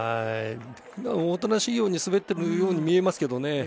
おとなしいように滑っているように見えますけどね。